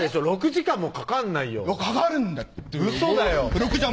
６時間もかかんないよかかるんだってウソだよ６時間